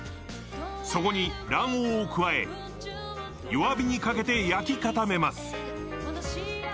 そこに卵黄を加え、弱火にかけて焼き固めます。